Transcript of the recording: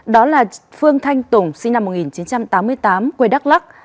đó là phương thanh tùng sinh năm một nghìn chín trăm tám mươi tám quê đắk lắc